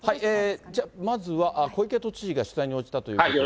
じゃあ、まずは小池都知事が取材に応じたということで。